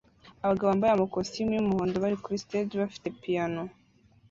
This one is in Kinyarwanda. Abagabo bambaye amakositimu y'umuhondo bari kuri stage bafite piyano